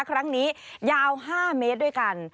ครั้งนี้ยาว๕เมตรด้วยกัน